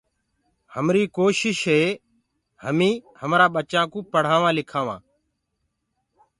همريٚ ڪوشيٚش هي هميٚنٚ همرآ ٻچآنڪوُ پڙهآوآنٚ لکآوآنٚ۔